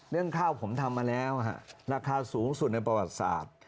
เรื่องข้าวผมทำมาแล้วราคาสูงสุดในประวัติศาสตร์